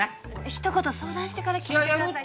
一言相談してから決めてください